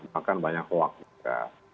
bahkan banyak hoax juga